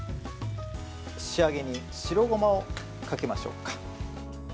仕上げに白ごまをかけましょうか。